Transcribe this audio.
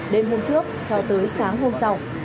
đêm hôm trước cho tới sáng hôm sau